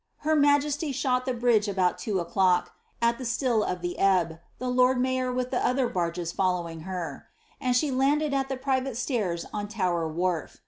Hirr majesty shot the bridge about two o'clock, at the still of the ebb, the lord mayor with the other barges following her ; and she landed at the private stairs on Tower wharf.